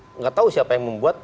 tidak tahu siapa yang membuat